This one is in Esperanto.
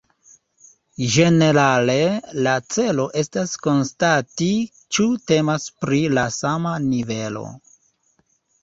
Ĝenerale la celo estas konstati ĉu temas pri la sama nivelo.